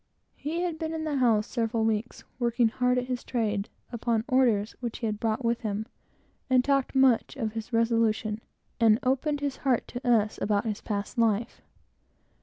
He had been in the house several weeks, working hard at his trade, upon orders which he had brought with him, and talked much of his resolution, and opened his heart to us about his past life.